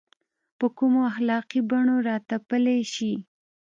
په کومو اخلاقي بڼو راتپلی شي.